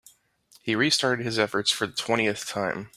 He restarted his efforts for the twentieth time.